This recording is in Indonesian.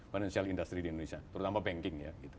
financial industry di indonesia terutama banking ya